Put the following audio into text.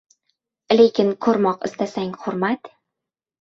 Lekin ko‘rmoq istasang hurmat